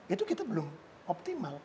itu kita belum optimal